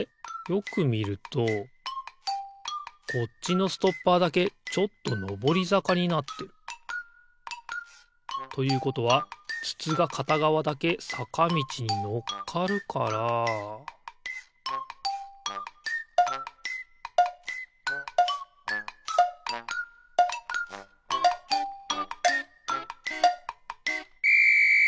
よくみるとこっちのストッパーだけちょっとのぼりざかになってる。ということはつつがかたがわだけさかみちにのっかるからピッ！